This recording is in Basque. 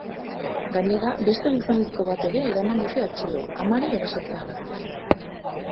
Gainera, beste gizonezko bat ere eraman dute atxilo, amari erasotzeagatik.